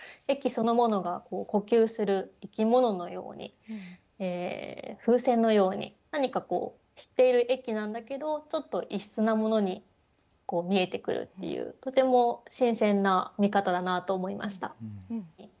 駅そのものが呼吸する生き物のように風船のように何かこう知っている駅なんだけどちょっと異質なものに見えてくるっていうとても新鮮な見方だなと思いました。